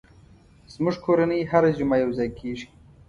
زموږ کورنۍ هره جمعه یو ځای کېږي.